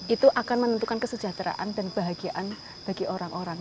itu akan menentukan kesejahteraan dan kebahagiaan bagi orang orang